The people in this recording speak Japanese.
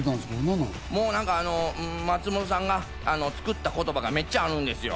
松本さんが作った言葉がめっちゃあるんですよ。